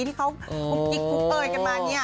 ที่เขากิ๊กกุ๊ปเปิดกันมาเนี่ย